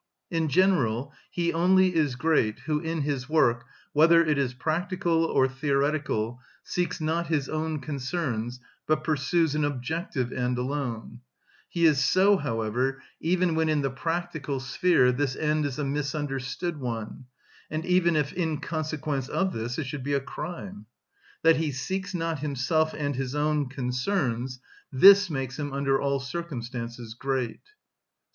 In general he only is great who in his work, whether it is practical or theoretical, seeks not his own concerns, but pursues an objective end alone; he is so, however, even when in the practical sphere this end is a misunderstood one, and even if in consequence of this it should be a crime. That he seeks not himself and his own concerns, this makes him under all circumstances great.